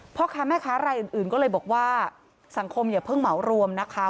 พ่อค้าแม่ค้ารายอื่นก็เลยบอกว่าสังคมอย่าเพิ่งเหมารวมนะคะ